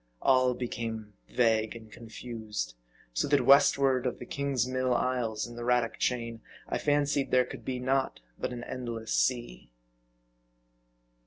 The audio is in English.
All became vague and confused ; so that westward of the Kingsmill isles and the Radack chain, I fancied there could be naught but an endless sea.